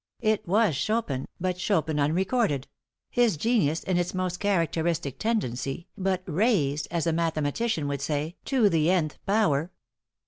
It was Chopin, but Chopin unrecorded; his genius in its most characteristic tendency, but raised, as a mathematician would say, to the _n_th power.